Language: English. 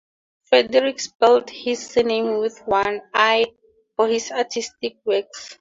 Frederick spelt his surname with one "l" for his artistic works.